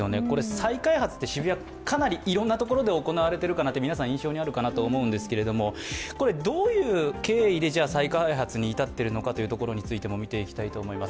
再開発って渋谷、かなりいろんなところで行われているかなと皆さん印象にあると思うんですけれども、どういう経緯で再開発に至っているのかについても見ていきます。